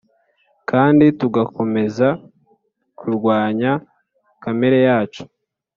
kandi tugakomeza kurwanya kamere yacu